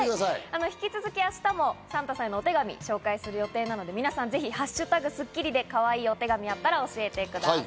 引き続き、明日もサンタさんへの手紙を紹介するので、皆さん「＃スッキリ」でかわいいお手紙があったら教えてください。